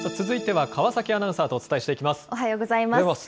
続いては川崎アナウンサーとお伝えしていきます。